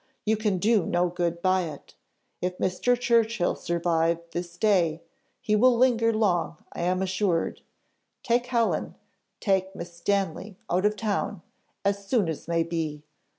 You can do no good by it. If Mr. Churchill survive this day, he will linger long I am assured. Take Helen take Miss Stanley out of town, as soon as may be.